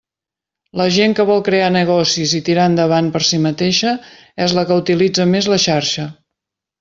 La gent que vol crear negocis i tirar endavant per si mateixa és la que utilitza més la xarxa.